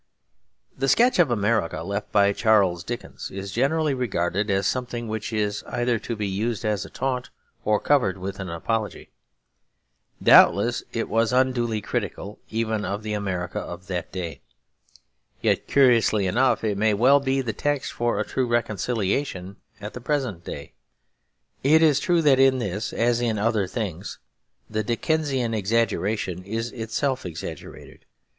The sketch of America left by Charles Dickens is generally regarded as something which is either to be used as a taunt or covered with an apology. Doubtless it was unduly critical, even of the America of that day; yet curiously enough it may well be the text for a true reconciliation at the present day. It is true that in this, as in other things, the Dickensian exaggeration is itself exaggerated.